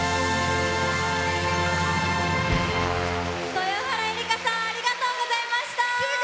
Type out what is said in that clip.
豊原江理佳さんありがとうございました。